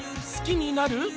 好きになる？